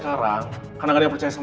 kalo enggak rencana gue bisa berantakan